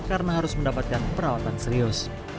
karena harus mendapatkan perawatan serius